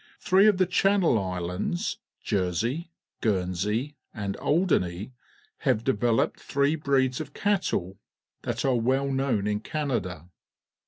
Three of the Channel Islands — Jersey, Guernsey, and Alderney — have developed three breeds of cattle that are well known in Canada.